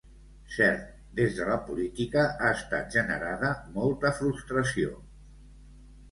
Cert, des de la política ha estat generada molta frustració.